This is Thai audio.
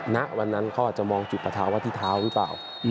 ณวันนั้นเขาอาจจะมองจุดประท้าว่าที่เท้าหรือเปล่า